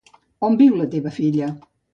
On viu la teva filla?